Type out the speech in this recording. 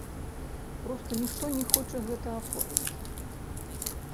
Проста ніхто не хоча гэта аформіць.